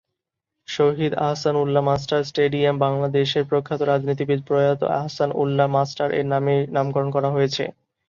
শহীদ Ahsan Ullah master stadium বাংলাদেশের প্রখ্যাত রাজনীতিবিদ প্রয়াত আহসান উল্লাহ মাস্টার এর নামে নামকরণ করা হয়েছে।